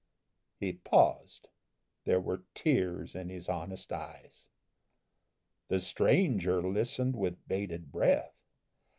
He paused. There were tears in his honest eyes; The stranger listened with bated breath.